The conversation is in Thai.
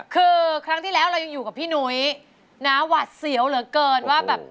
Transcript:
คือครั้งที่แล้วเรายังอยู่กับพี่หนุ้ยนะหวัดเสียวเหลือเกินว่าแบบ